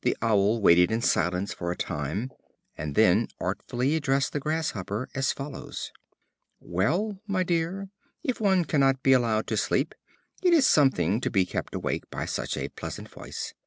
The Owl waited in silence for a time, and then artfully addressed the Grasshopper as follows: "Well, my dear, if one cannot be allowed to sleep, it is something to be kept awake by such a pleasant voice.